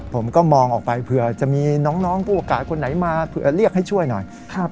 ผมก็มองออกไปเผื่อจะมีน้องผู้อากาศคนไหนมาเผื่อเรียกให้ช่วยหน่อย